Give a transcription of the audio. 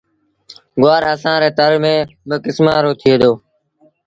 گُوآر اسآݩ ري تر ميݩ ٻآ ڪسمآݩ رو ٿئي دو۔